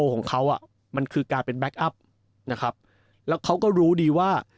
ของเขาอ่ะมันคือการเป็นแก๊คอัพนะครับแล้วเขาก็รู้ดีว่า